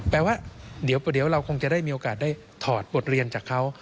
แปลว่าเดี๋ยวเราคงจะได้มีโอกาสได้ถอดบทเรียนจากเขา